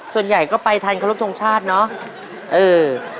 ส่วนใหญ่ก็ไปทันครบทรงชาติเนอะเออ